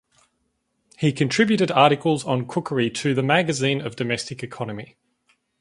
He contributed articles on cookery to the "Magazine of Domestic Economy".